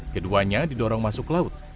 keduanya didorong masuk laut